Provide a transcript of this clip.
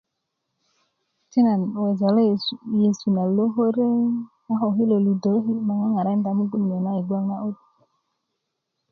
ti nan wejale weja' yesu na lokore a ko kilo ludööki' ma ŋaŋarakinda mugun niyo' na yi gboŋ na'bit